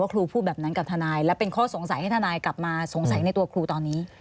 เขาสงสัยให้ทนายกลับมาสงสัยในตัวครูตอนนี้